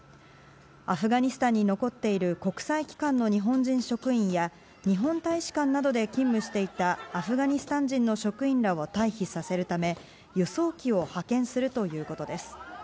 アフガニスタンに残っている国際機関の日本人職員や日本大使館などで勤務していたアフガニスタン人の職員らを退避させるため輸送機を派遣するということです。